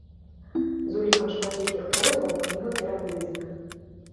З улікам шматлікіх просьбаў кніга перавыдадзена.